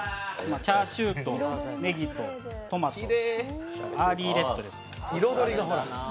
チャーシューとねぎとトマトアーリーレッドです。